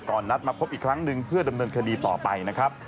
นัดมาพบอีกครั้งหนึ่งเพื่อดำเนินคดีต่อไปนะครับ